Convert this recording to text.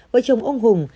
vợ chồng ông hùng